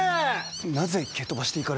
なぜ蹴飛ばしていかれたんじゃ。